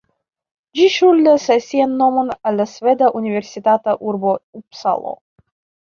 Ĝi ŝuldas sian nomon al la sveda universitata urbo Upsalo.